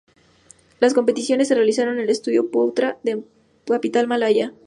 Las competiciones se realizaron en el Estadio Putra de la capital malaya.